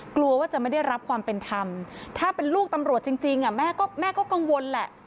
กลัวว่าจะไม่ได้รับความเป็นธรรมถ้าเป็นลูกตำรวจจริงแม่ก็กังวลแหละ